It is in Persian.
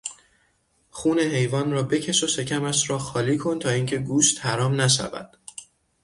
خون حیوان را بکش و شکمش را خالی کن تا اینکه گوشت حرام نشود.